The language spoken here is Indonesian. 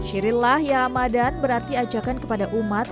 syirillah ya ramadan berarti ajakan kepada umat